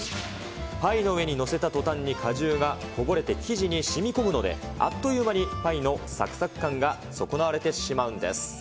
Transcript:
パイの上に載せたとたんに果汁がこぼれて生地にしみこむので、あっという間にパイのさくさく感が損なわれてしまうんです。